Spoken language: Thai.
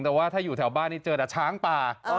แต่ว่าถ้าอยู่แถวบ้านนี้เจอแต่ช้างป่า